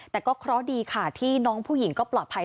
แต่ก็เคราะห์ดีค่ะที่น้องผู้หญิงก็ปลอดภัย